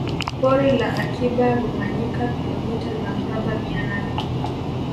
Pori la Akiba Rumanyika kilomita za mraba mia nane